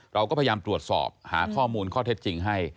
เราก็พยายามตรวจสอบหาข้อมูลข้อเท็จจริงให้